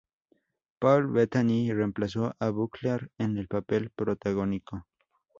Paul Bettany reemplazó a Butler en el papel protagónico.